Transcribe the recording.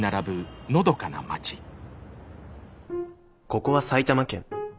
ここは埼玉県。